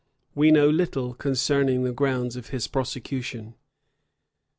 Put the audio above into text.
We know little concerning the grounds of his prosecution.